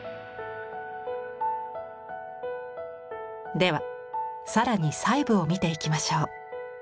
では更に細部を見ていきましょう。